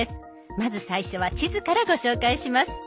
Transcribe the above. まず最初は地図からご紹介します。